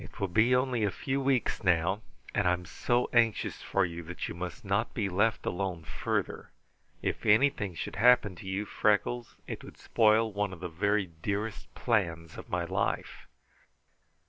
It will be only a few weeks, now; and I'm so anxious for you that you must not be left alone further. If anything should happen to you, Freckles, it would spoil one of the very dearest plans of my life."